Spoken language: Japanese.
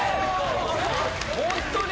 ホントに！？